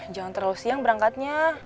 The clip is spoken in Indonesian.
jangan terlalu siang berangkatnya